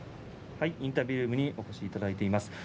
インタビュールームにお越しいただいています。